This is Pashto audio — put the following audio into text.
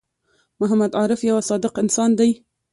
محمد عارف یوه صادق انسان دی